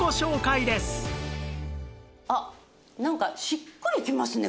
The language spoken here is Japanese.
あっなんかしっくりきますね